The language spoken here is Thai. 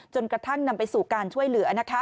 จนกระทั่งนำไปสู่การช่วยเหลือ